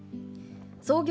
創業